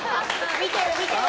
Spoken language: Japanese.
見てる、見てる。